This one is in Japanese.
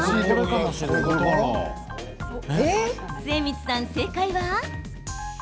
末光さん、正解は。